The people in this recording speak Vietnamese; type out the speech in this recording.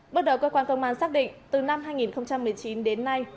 bước đầu cơ quan công an xác định từ năm hai nghìn một mươi chín đến nay